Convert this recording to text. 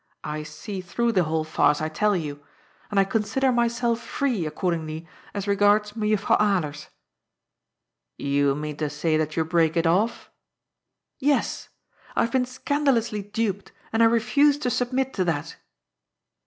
I see through the whole farce, I tell you. And I consider myself free, accordingly, as regards MejuflProuw Alers." " You mean to say that you break it off?" " Yes. I have been scandalously duped, and I refuse to submit to that."